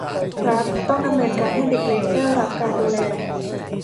รัฐต้องดำเนินการให้เด็กเล็กได้รับการดูแล